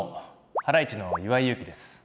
ハライチの岩井勇気です。